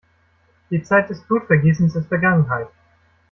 Die Zeit des Blutvergießens ist Vergangenheit!